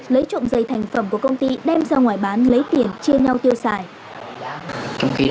lấy trộm dây thành phẩm của công ty đem ra ngoài bán lấy tiền chia nhau tiêu xài